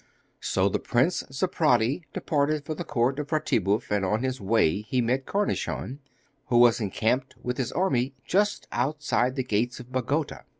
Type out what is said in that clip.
So the Prince Zeprady departed for the court of Ratibouf, and on his way he met Cornichon, who was encamped with his army just outside the gates of Bagota.